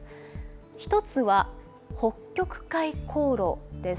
１つは北極海航路です。